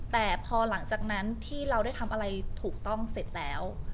แต่พอหลังจากนั้นที่เราได้ทำอะไรถูกต้องเสร็จแล้ว